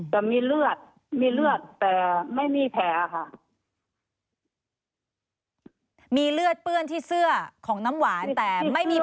แต่มีเลือดมีเลือดแต่ไม่มีแผลค่ะมีเลือดเปื้อนที่เสื้อของน้ำหวานแต่ไม่มี